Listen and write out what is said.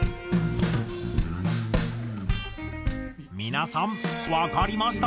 皆さんわかりましたか？